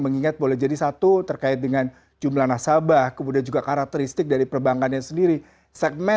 mengingat boleh jadi satu terkait dengan jumlah nasabah kemudian juga karakteristik dari perbankannya sendiri